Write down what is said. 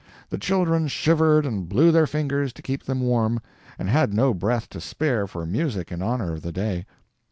The children shivered and blew their fingers to keep them warm, and had no breath to spare for music in honor of the day.